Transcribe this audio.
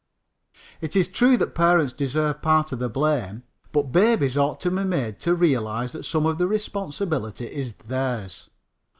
It is true that parents deserve part of the blame, but babies ought to be made to realize that some of the responsibility is theirs.